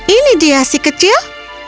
ini dia si kecil